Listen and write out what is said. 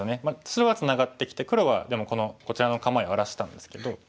白はツナがってきて黒はでもこちらの構えを荒らしたんですけど。